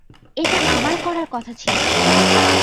এটা আমার করার কথা ছিল!